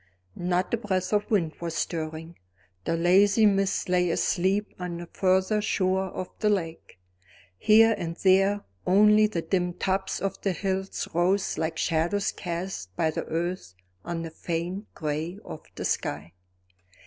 Not a breath of wind was stirring; the lazy mist lay asleep on the further shore of the lake. Here and there only the dim tops of the hills rose like shadows cast by the earth on the faint gray of the sky.